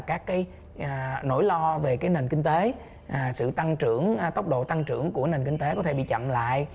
các cái nỗi lo về cái nền kinh tế sự tăng trưởng tốc độ tăng trưởng của nền kinh tế có thể bị chậm lại